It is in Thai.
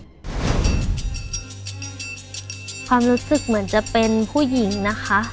ความรู้สึกเหมือนจะเป็นผู้หญิงนะคะ